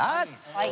はい。